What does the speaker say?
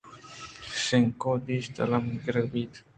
شِنکّ ءَ دیست آ الّم گِرگ بیت